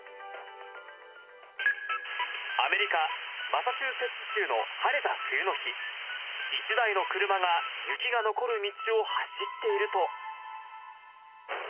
アメリカ・マサチューセッツ州の晴れた冬の日、１台の車が雪が残る道を走っていると。